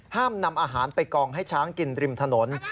ห้ามนำอาหารไปกองให้ช้างกินริมถนน